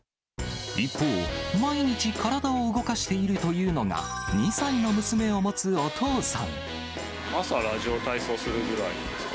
一方、毎日体を動かしているとい朝、ラジオ体操するぐらいですか。